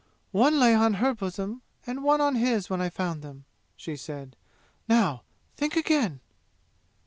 "One lay on her bosom and one on his when I found them!" she said. "Now, think again!"